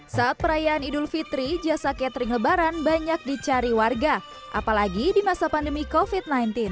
saat perayaan idul fitri jasa catering lebaran banyak dicari warga apalagi di masa pandemi covid sembilan belas